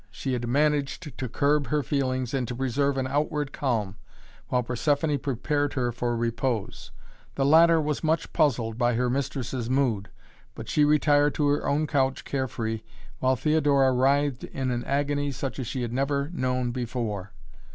She had managed to curb her feelings and to preserve an outward calm, while Persephoné prepared her for repose. The latter was much puzzled by her mistress's mood, but she retired to her own couch carefree, while Theodora writhed in an agony such as she had never known before.